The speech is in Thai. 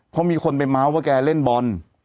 เพราะมีคนไปเมาส์ว่าแกเล่นบอล